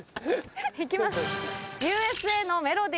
行きます。